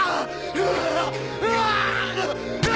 うわ！